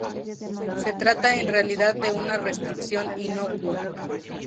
Se trata en realidad de una restricción inocua.